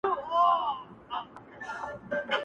دا نا پایه لوی کاروان دی هر انسان پکښي ځاییږي -